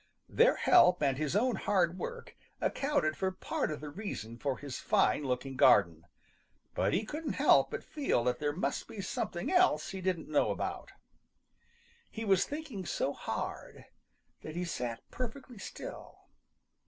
Their help and his own hard work accounted for part of the reason for his fine looking garden, but he couldn't help but feel that there must be something else he didn't know about. He was thinking so hard that he sat perfectly still.